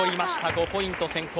５ポイント先行。